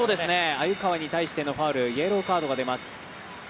鮎川に対してのファウルイエローカードが出ます。